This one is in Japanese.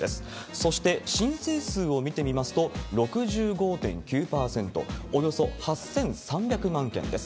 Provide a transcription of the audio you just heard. そして、申請数を見てみますと、６５．９％、およそ８３００万件です。